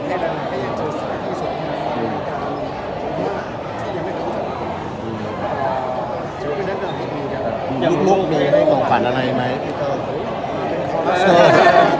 กลับมาเต็มกรรมหนึ่งวันต้องถ่ายครับ